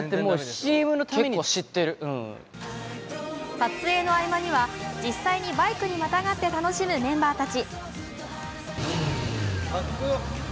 撮影の合間には実際にバイクにまたがって楽しむメンバーたち。